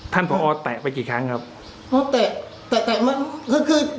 ท่านพอแตะไปกี่ครั้งครับพอแตะแตะแตะมาคือคือ